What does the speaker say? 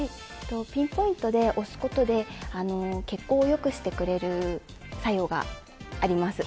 ピンポイントで押すことで血行を良くしてくれる作用があります。